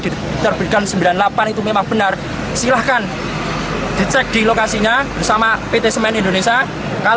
dikeksiksikan oleh pt semen indonesia